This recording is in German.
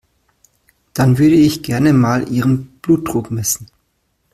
Dann würde ich gerne mal Ihren Blutdruck messen.